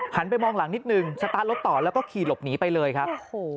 ไปมองหลังนิดนึงสตาร์ทรถต่อแล้วก็ขี่หลบหนีไปเลยครับ